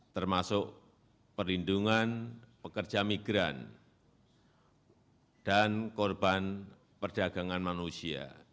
termasuk perlindungan pekerja migran dan korban perdagangan manusia